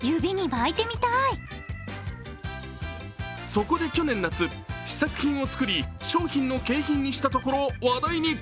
そこで去年夏、試作品を作り商品の景品にしたところ話題に。